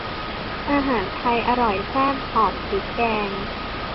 อาหารไทยอร่อยแซ่บหอมพริกแกง